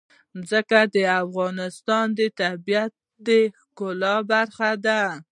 ځمکه د افغانستان د طبیعت د ښکلا برخه ده.